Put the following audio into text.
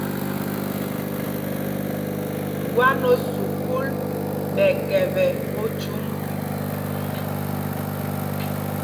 Ɓwán o sukûl ɓɛ kɛpɛ óthyǔŋ?